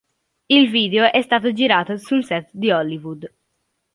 Il video è stato girato su un set di Hollywood.